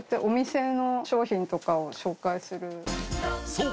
そう！